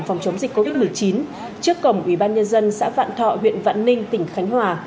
phòng chống dịch covid một mươi chín trước cổng ủy ban nhân dân xã vạn thọ huyện vạn ninh tỉnh khánh hòa